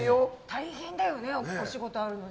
大変だよね、お仕事あるのに。